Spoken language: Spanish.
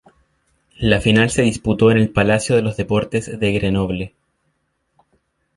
La final se disputó en el Palacio de los Deportes de Grenoble.